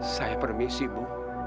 saya permisi bu